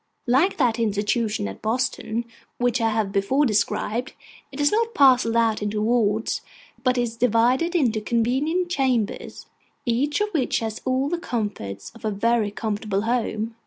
Like that institution at Boston, which I have before described, it is not parcelled out into wards, but is divided into convenient chambers, each of which has all the comforts of a very comfortable home.